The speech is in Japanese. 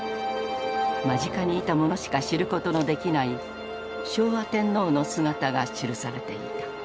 間近にいた者しか知ることのできない昭和天皇の姿が記されていた。